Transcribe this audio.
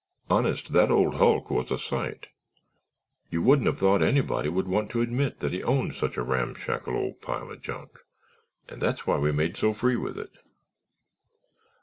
Honest, that old hulk was a sight. You wouldn't have thought anybody would want to admit that he owned such a ramshackle old pile of junk and that's why we made so free with it.